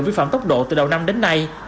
vi phạm tốc độ từ đầu năm đến nay